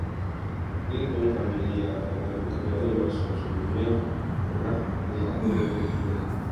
Lincoln familiar dengan pekerjaan Emerson, sebelumnya pernah melihatnya memberi kuliah.